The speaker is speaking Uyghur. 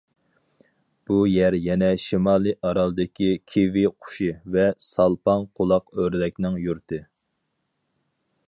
بۇ يەر يەنە شىمالىي ئارالدىكى كىۋى قۇشى ۋە سالپاڭ قۇلاق ئۆردەكنىڭ يۇرتى.